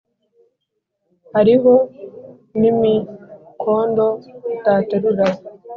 hariho n’ icy’ imikondo utaterura,